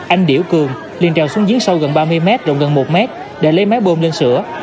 anh điểu cường liền trèo xuống giếng sâu gần ba mươi m rộng gần một m để lấy máy bơm lên sửa